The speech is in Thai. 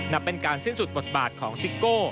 นับเป็นการสิ้นสุดบทบาทของซิโก้